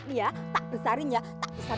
iya tak besarin ya tak besar